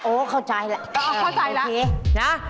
โอ้เข้าใจแล้ว